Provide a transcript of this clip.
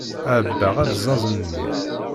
Ɛebbaɣ alzazen-nni.